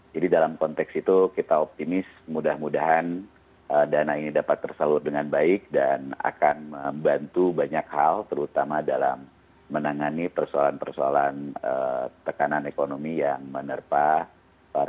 jadi dalam konteks itu kita optimis mudah mudahan dana ini dapat tersalur dengan baik dan akan membantu banyak hal terutama dalam menangani persoalan persoalan tekanan ekonomi yang menerpa para guru dan tenaga kependidikan kita